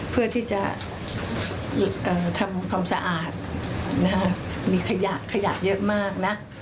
เพื่อที่จะทำความสะอาดมีขยะขยะเยอะมากนะ